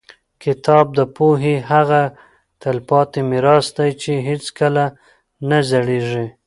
کتاب د پوهې هغه تلپاتې میراث دی چې هېڅکله نه زړېږي.